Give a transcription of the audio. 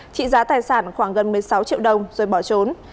trị giá tài sản khoảng gần một mươi sáu triệu đồng rồi bỏ trốn